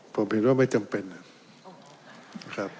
ผมเห็นว่าไม่จำเป็นนะครับ